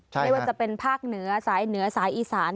ไม่ว่าจะเป็นภาคเหนือสายเหนือสายอีสาน